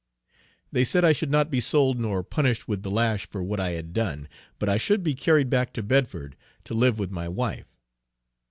They said I should not be sold nor punished with the lash for what I had done, but I should be carried back to Bedford, to live with my wife.